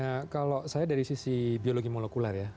ya kalau saya dari sisi biologi molekuler ya